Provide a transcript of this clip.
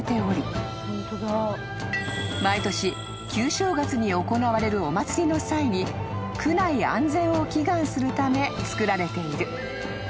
［毎年旧正月に行われるお祭りの際に区内安全を祈願するためつくられている］